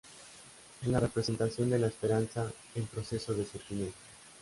Es la representación de la esperanza en proceso de surgimiento.